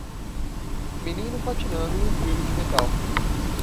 Menino patinando em um trilho de metal.